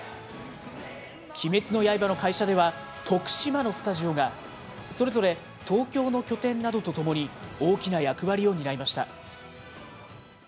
鬼滅の刃の会社では、徳島のスタジオが、それぞれ、東京の拠点などとともに、大きな役割を担いました。